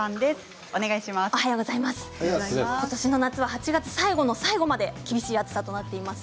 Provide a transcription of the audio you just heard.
今年の夏は８月最後の最後まで厳しい暑さとなっています。